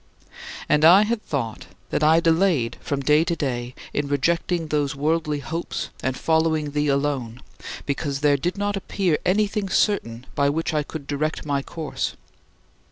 18. And I had thought that I delayed from day to day in rejecting those worldly hopes and following thee alone because there did not appear anything certain by which I could direct my course.